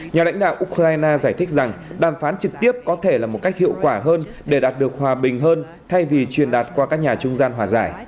nhà lãnh đạo ukraine giải thích rằng đàm phán trực tiếp có thể là một cách hiệu quả hơn để đạt được hòa bình hơn thay vì truyền đạt qua các nhà trung gian hòa giải